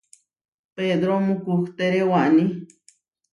Pedro mukuhtére waní.